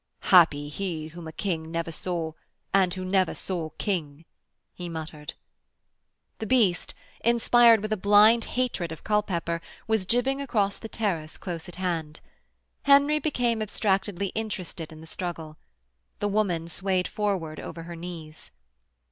'Happy he whom a King never saw and who never saw King,' he muttered. The beast, inspired with a blind hatred of Culpepper, was jibbing across the terrace, close at hand. Henry became abstractedly interested in the struggle. The woman swayed forward over her knees.